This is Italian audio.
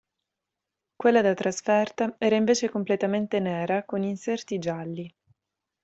Quella da trasferta era invece completamente nera, con inserti gialli.